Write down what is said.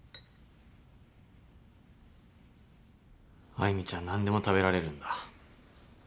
愛魅ちゃん何でも食べられるんだ。